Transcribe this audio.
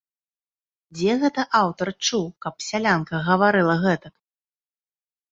Дзе гэта аўтар чуў, каб сялянка гаварыла гэтак?